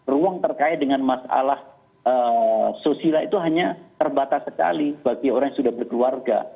ruang terkait dengan masalah sosial itu hanya terbatas sekali bagi orang yang sudah berkeluarga